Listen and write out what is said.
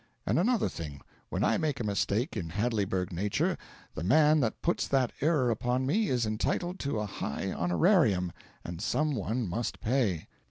And another thing, when I make a mistake in Hadleyburg nature the man that puts that error upon me is entitled to a high honorarium, and some one must pay.